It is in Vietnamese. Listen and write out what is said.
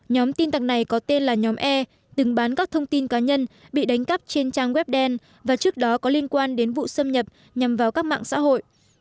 nhóm tin tặc này có tên là nhóm e từng bán các thông tin cá nhân bị đánh cắp trên trang web đen và trước đó có liên quan đến vụ xâm nhập nhằm vào các mạng xã hội